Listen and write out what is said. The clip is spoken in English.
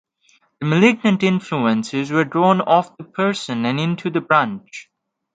The malignant influences were drawn off the person and into the branch.